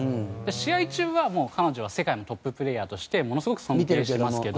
試合中はもう彼女は世界のトッププレーヤーとしてものすごく尊敬してますけど。